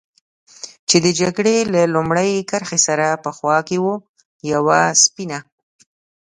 چې د جګړې له لومړۍ کرښې سره په خوا کې و، یوه سپینه.